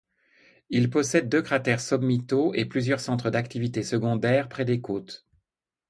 Il possède deux cratères sommitaux et plusieurs centres d'activités secondaires près des côtes.